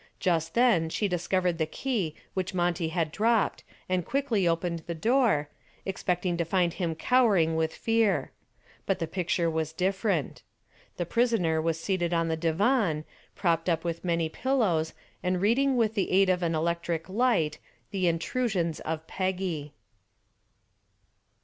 Just then she discovered the key which Monty had dropped and quickly opened the door, expecting to find him cowering with fear. But the picture was different. The prisoner was seated on the divan, propped up with many pillows and reading with the aid of an electric light "The Intrusions of Peggy."